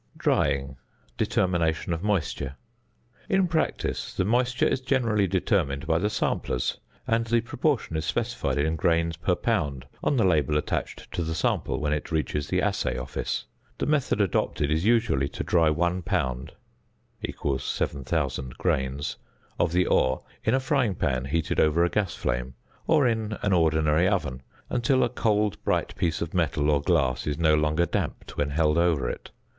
~Drying: Determination of Moisture.~ In practice, the moisture is generally determined by the samplers, and the proportion is specified in grains per pound on the label attached to the sample when it reaches the assay office. The method adopted is usually to dry 1 lb. = 7000 grs. of the ore in a frying pan heated over a gas flame, or in an ordinary oven, until a cold bright piece of metal or glass is no longer damped when held over it.